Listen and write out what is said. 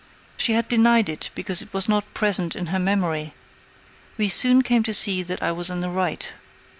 She had denied it because it was not present in her memory. We soon came to see that I was in the right.